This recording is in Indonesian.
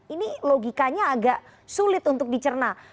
ini logikanya agak sulit untuk dicerna